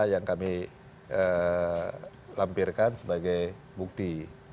yang kami lampirkan sebagai bukti